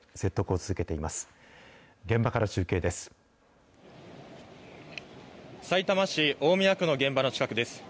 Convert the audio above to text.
さいたま市大宮区の現場の近くです。